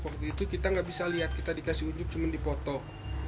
waktu itu kita nggak bisa lihat kita dikasih unjuk cuman dipotok